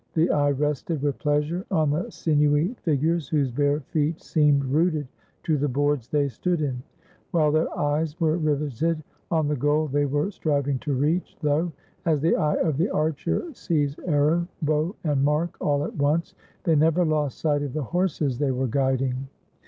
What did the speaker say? The eye rested with pleasure on the sinewy 499 ROME figures whose bare feet seemed rooted to the boards they stood in, while their eyes were riveted on the goal they were striving to reach, though — as the eye of the archer sees arrow, bow, and mark all at once — they never lost sight of the horses they were guiding.